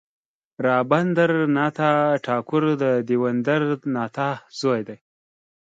رابندر ناته ټاګور د دیو ندر ناته زوی دی.